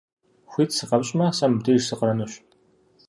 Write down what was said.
Хуит сыкъэпщӀмэ, сэ мыбдеж сыкъэнэнущ.